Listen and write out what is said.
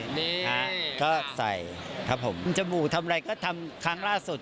นี่ฮะก็ใส่ครับผมจมูกทำอะไรก็ทำครั้งล่าสุด